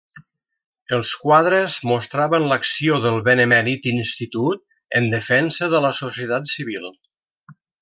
Els quadres mostraven l'acció del Benemèrit Institut en defensa de la societat civil.